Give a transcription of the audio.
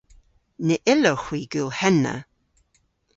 Ny yllowgh hwi gul henna.